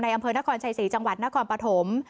อำเภอนครชัยศรีจังหวัดนครปฐม